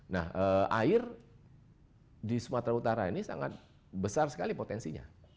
nah air di sumatera utara ini sangat besar sekali potensinya